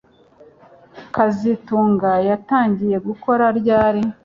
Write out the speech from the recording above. kazitunga yatangiye gukora ryari